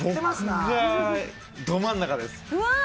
ど真ん中です。